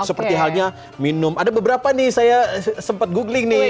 seperti halnya minum ada beberapa nih saya sempat googling nih